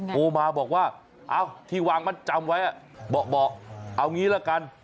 โทรมาบอกว่าเอาที่วางมัดจำไว้บอกเอางี้ละกัน